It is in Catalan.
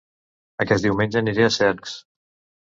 Aquest diumenge aniré a Cercs